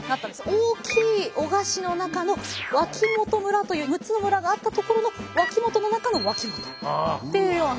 大きい男鹿市の中の脇本村という６つの村があった所の脇本の中の脇本というような。